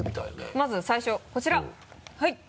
まず最初こちらはい。